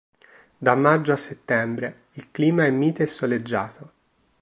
Da maggio a settembre, il clima è mite e soleggiato.